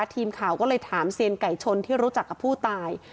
ทีมข่าวก็เลยถามเซียนไก่ชนที่รู้จักกับผู้ตาย